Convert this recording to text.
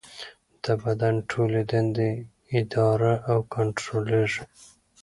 د بدن ټولې دندې اداره او کنټرولېږي.